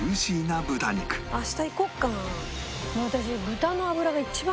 明日行こっかな。